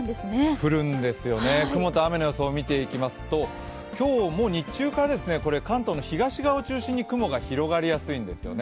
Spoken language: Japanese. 降るんですよね、雲と雨の予想、見ていきますと今日も日中から関東の東側を中心に雲が広がりやすいんですよね。